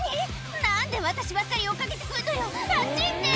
「何で私ばっかり追っ掛けて来んのよあっち行って！